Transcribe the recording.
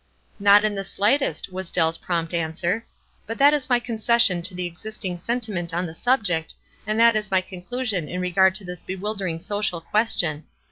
"Not the slightest," was Dell's prompt an swer. " But that is my concession to the exist ing sentiment on the subject, and that is my conclusion in regard to this bewildering social question.